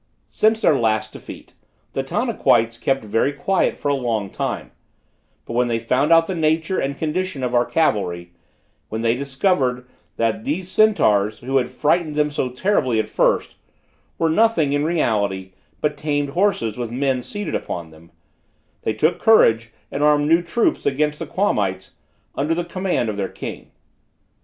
Since their last defeat, the Tanaquites kept very quiet for a long time; but when they found out the nature and condition of our cavalry; when they discovered that those centaurs, who had frightened them so terribly at first, were nothing in reality, but tamed horses with men seated upon them, they took courage and armed new troops against the Quamites, under the command of their king.